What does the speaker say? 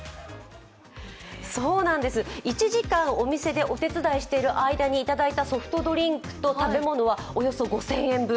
１時間お店でお手伝いしている間にいただいたソフトドリンクと食べ物はおよそ５０００円分。